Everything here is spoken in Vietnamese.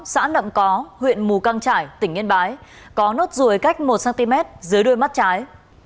xã nậm có huyện mù căng trải tỉnh yên bái có nốt ruồi cách một cm dưới đuôi mắt trái